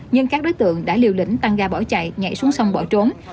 nhưng các đối tượng đã liều lĩnh tăng ga bỏ chạy nhảy xuống sông bỏ trốn